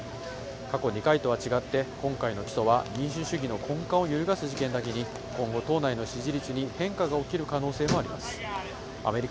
過去２回とは違って、今回の起訴は民主主義の根幹を揺るがす事件だけに、今後、党内の支持率に変化が起きる可能性もあります。